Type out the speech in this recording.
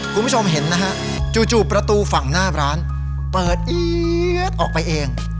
คุณผู้ชมเห็นนะฮะจู่ประตูฝั่งหน้าร้านเปิดเอี๊ยดออกไปเอง